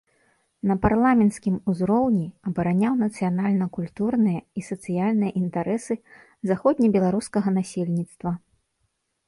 На парламенцкім узроўні абараняў нацыянальна-культурныя і сацыяльныя інтарэсы заходне-беларускага насельніцтва.